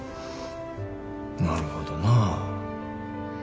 なるほどな。